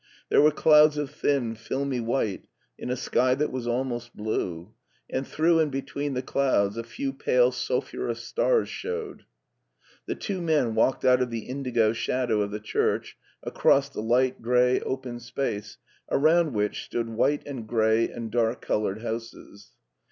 There were clouds of thin, filmy white in a sky that Was almost blue, and through and between the clouds a few pale sulphurous stars showed. The two men walked out of the indigo shadow of the church across the light gray open space, around which stood white and gray and dark colored houses.